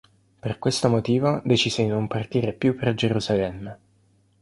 Per questo motivo decise di non partire più per Gerusalemme.